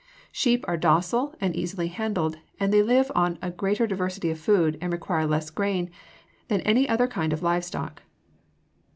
Sheep are docile and easily handled, and they live on a greater diversity of food and require less grain than any other kind of live stock.